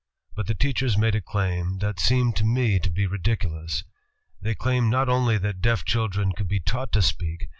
But the teachers made a claim that seemed to me to be ridiculous. They claimed not only that deaf children could be taught to speak